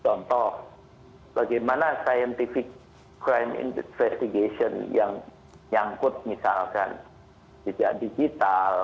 contoh bagaimana kesehatan sains yang nyangkut misalkan digital